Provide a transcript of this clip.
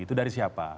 itu dari siapa